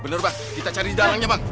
bener bang kita cari dalangnya bang